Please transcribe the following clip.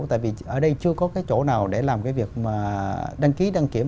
tại vì ở đây chưa có cái chỗ nào để làm cái việc mà đăng ký đăng kiểm